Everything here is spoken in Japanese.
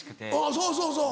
そうそうそう。